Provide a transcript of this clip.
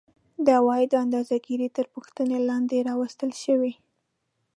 د عوایدو اندازه ګیري تر پوښتنې لاندې راوستل شوې